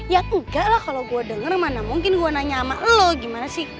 ya enggak lah kalau gue denger mana mungkin gue nanya sama lo gimana sih